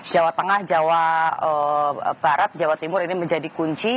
jawa tengah jawa barat jawa timur ini menjadi kunci